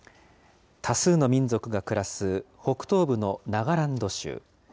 多数の民族が暮らす北東部のナガランド州。